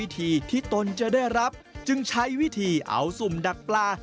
ทีที่ตนจะได้รับจึงใช้วิธีเอาสุ่มดักปลา